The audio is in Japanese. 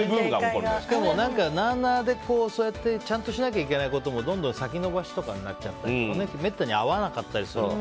でもなあなあでそうやってちゃんとしなきゃいけないこともどんどん先延ばしとかになっちゃったりめったに会わなかったりするから。